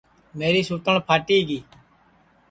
میری سُوتٹؔ پھاٹی گی